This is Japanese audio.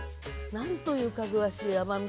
何というかぐわしい甘み